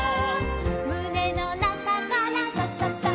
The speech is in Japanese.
「むねのなかからとくとくとく」